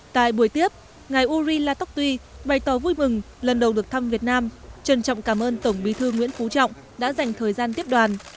tại buổi tiếp ngài uri latok tuy bày tỏ vui mừng lần đầu được thăm việt nam trân trọng cảm ơn tổng bí thư nguyễn phú trọng đã dành thời gian tiếp đoàn